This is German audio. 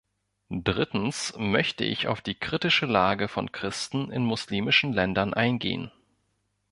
Drittens möchte ich auf die kritische Lage von Christen in muslimischen Ländern eingehen.